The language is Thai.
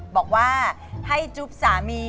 บอกว่าให้จุ๊บสามี